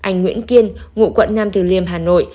trong một bộ phim ngụ quận nam thừ liêm hà nội